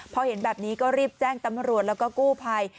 พอเห็นแบบนี้ก็รีบแจ้งตำรวจแล้วก็กู้ภัย